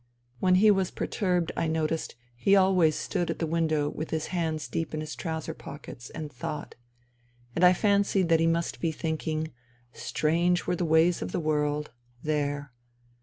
When he was perturbed, I noticed, he always stood at the window with his hands deep in his trouser NINA 253 pockets, and thought. And I fancied that he must be thinking : Strange were the ways of the world : there